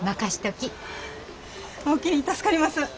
おおきに助かります。